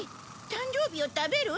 誕生日を食べる？